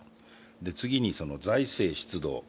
次に財政出動。